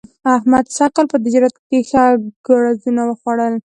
احمد سږ کال په تجارت ښه ګړزونه وخوړل.